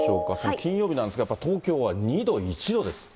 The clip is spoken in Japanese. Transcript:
金曜日なんですが、やっぱり東京は２度、１度ですって。